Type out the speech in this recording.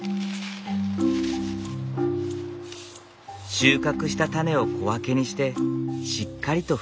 収穫したタネを小分けにしてしっかりと封をする。